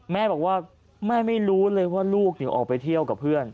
แม่บอกว่าแม่ไม่รู้เลยว่าลูกออกไปเที่ยวกับเพื่อน